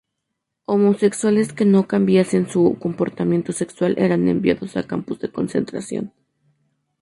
Homosexuales que no cambiasen su comportamiento sexual eran enviados a campos de concentración.